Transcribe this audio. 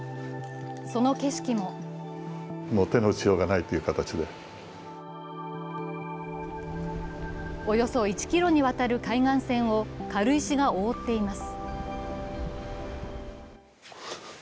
その景色もおよそ１ｋｍにわたる海岸線を軽石が覆っています。